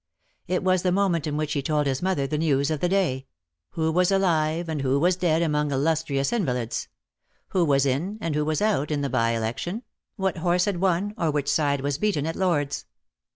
It was the moment in which he told his mother the news of the day: who was alive and who was dead 158 DEAD LOVE HAS CHAINS. among illustrious invalids; who was in and who was out in the bye election; what horse had won, or which side was beaten at Lord's.